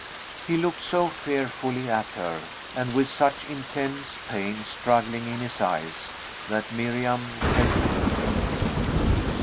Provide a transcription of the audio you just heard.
He looked so fearfully at her, and with such intense pain struggling in his eyes, that Miriam felt pity.